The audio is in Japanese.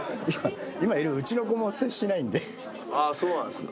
あぁそうなんですか。